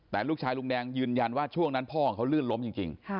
แต่ลูกชายลุงแดงยืนยันว่าช่วงนั้นพ่อของเขาลื่นล้มจริง